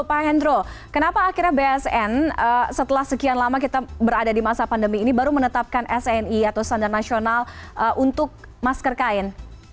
pak hendro kenapa akhirnya bsn setelah sekian lama kita berada di masa pandemi ini baru menetapkan sni atau standar nasional untuk masker kain